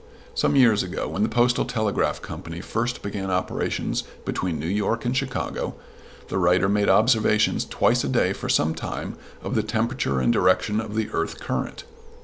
Some years ago, when the Postal Telegraph Company first began operations between New York and Chicago, the writer made observations twice a day for some time of the temperature and direction of the earth current.